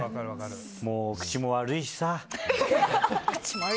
もう、口も悪いしさ。